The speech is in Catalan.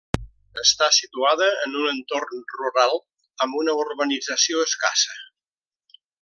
Està situada en un entorn rural amb una urbanització escassa.